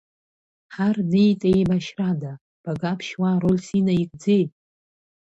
Ҳар неит еибашьрада, Багаԥшь уа рольс инаигӡеи?!